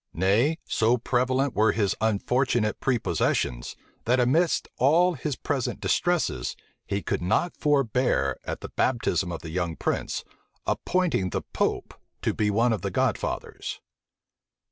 Nay, so prevalent were his unfortunate prepossessions, that amidst all his present distresses, he could not forbear, at the baptism of the young prince, appointing the pope to be one of the god fathers.